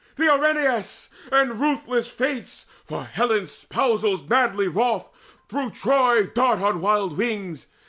The Erinyes and the ruthless Fates, For Helen's spousals madly wroth, through Troy Dart on wild wings.